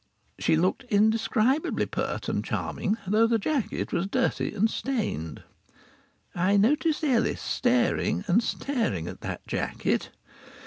She looked indescribably pert and charming, though the jacket was dirty and stained. I noticed Ellis staring and staring at that jacket....